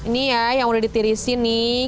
ini ya yang udah ditirisin nih